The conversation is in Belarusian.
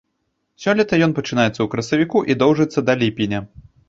Сёлета ён пачынаецца ў красавіку і доўжыцца да ліпеня.